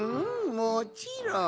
もちろん。